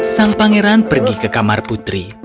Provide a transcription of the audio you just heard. sang pangeran pergi ke kamar putri